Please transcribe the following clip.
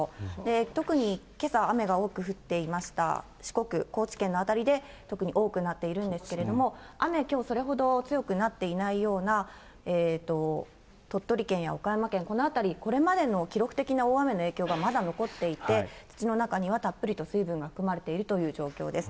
特にけさ雨が多く降っていました四国、高知県の辺りで特に多くなっているんですけれども、雨、きょうそれほど強くなっていないような鳥取県や岡山県、この辺り、これまでの記録的な大雨の影響がまだ残っていて、土の中にはたっぷりと水分が含まれているという状況です。